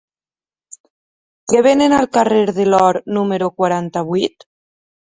Què venen al carrer de l'Or número quaranta-vuit?